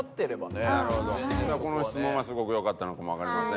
じゃあこの質問はすごくよかったのかもわかりません。